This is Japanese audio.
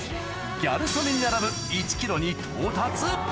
ギャル曽根に並ぶ１ｋｇに到達